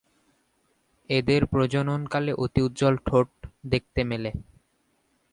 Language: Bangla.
এদের প্রজনন কালে অতি উজ্জ্বল ঠোঁট দেখতে মেলে।